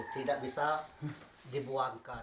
tidak bisa dibuangkan